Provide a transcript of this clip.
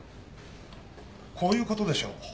こういうことでしょう。